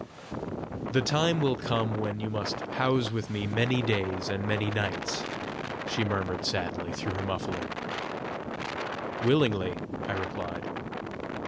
"The time will come when you must house with me many days and many nights," she murmured sadly through her muffling. "Willingly," I replied.